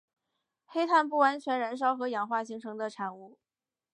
黑碳不完全燃烧和氧化形成的产物。